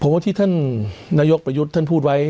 ผมว่าที่ท่านนายกประยุทธ์ท่านพูดไว้